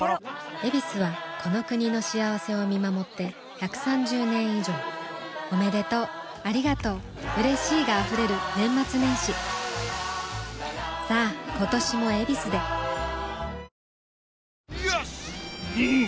「ヱビス」はこの国の幸せを見守って１３０年以上おめでとうありがとううれしいが溢れる年末年始さあ今年も「ヱビス」でよしっ！